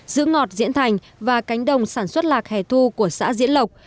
giữ ngọt diễn thành và cánh đồng sản xuất lạc hẻ thu của xã diễn lộc